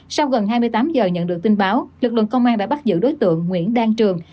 sau gần hai mươi tám giờ nhận được tin báo lực lượng công an đã bắt giữ đối tượng nguyễn đăng trường